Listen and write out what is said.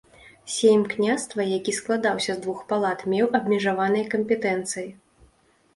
Сейм княства, які складаўся з двух палат, меў абмежаваныя кампетэнцыі.